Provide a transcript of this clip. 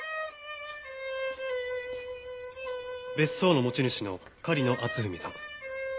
別荘の持ち主の狩野篤文さん。